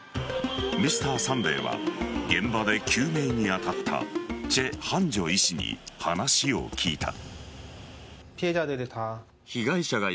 「Ｍｒ．サンデー」は現場で救命に当たったチェ・ハンジョ医師に話を聞いた。